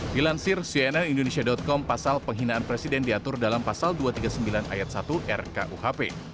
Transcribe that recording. dilansir cnn indonesia com pasal penghinaan presiden diatur dalam pasal dua ratus tiga puluh sembilan ayat satu rkuhp